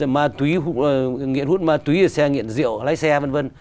ma túy nghiện hút ma túy xe nghiện rượu lái xe vân vân